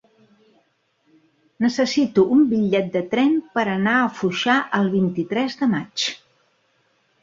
Necessito un bitllet de tren per anar a Foixà el vint-i-tres de maig.